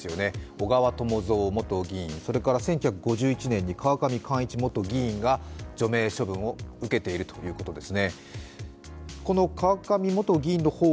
小川友三元議員、１９５１年に川上寛一元議員が除名処分を受けているんです。